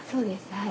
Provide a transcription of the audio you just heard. はい。